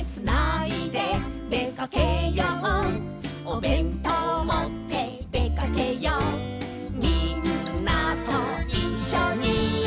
「おべんとうもってでかけよう」「みんなといっしょにピクニック」